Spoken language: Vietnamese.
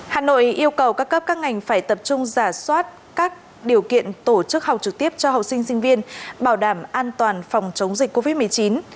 hà nội yêu cầu các cấp các ngành phải tập trung giả soát các điều kiện tổ chức học trực tiếp cho học sinh sinh viên bảo đảm an toàn phòng chống dịch covid một mươi chín